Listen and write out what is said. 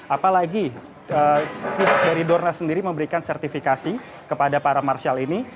apalagi pihak dari dorna sendiri memberikan sertifikasi kepada para marshal ini